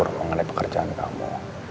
saya mau bertemu